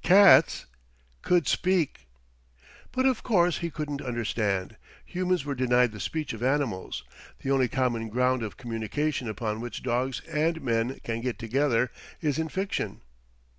Cats! Could speak! But, of course, he couldn't understand. Humans were denied the speech of animals. The only common ground of communication upon which dogs and men can get together is in fiction.